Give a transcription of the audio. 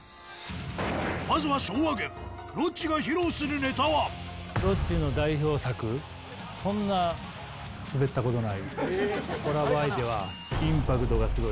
まずは昭和軍、ロッチが披露するロッチの代表作、そんなすべったことない。